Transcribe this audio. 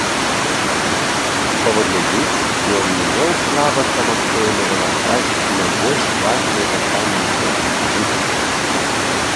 Паводле іх ён не меў права самастойна вырашаць найбольш важныя пытанні знешняй палітыкі.